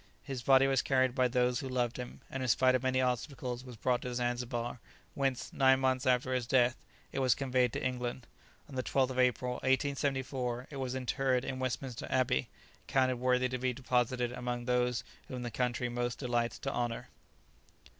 His body was carried by those who loved him, and in spite of many obstacles was brought to Zanzibar, whence, nine months after his death, it was conveyed to England. On the 12th of April, 1874, it was interred in Westminster Abbey, counted worthy to be deposited amongst those whom the country most delights to honour.